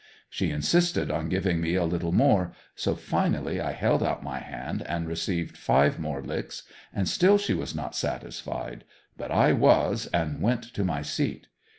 She insisted on giving me a little more so finally I held out my hand and received five more licks and still she was not satisfied; but I was and went to my seat.